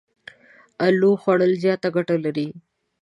الو خوړ ل زياته ګټه لري.